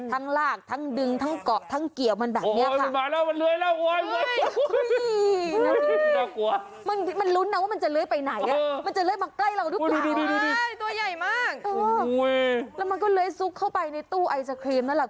ลากทั้งดึงทั้งเกาะทั้งเกี่ยวมันแบบนี้